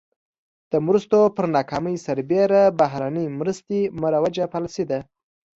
د مرستو پر ناکامۍ سربېره بهرنۍ مرستې مروجه پالیسي ده.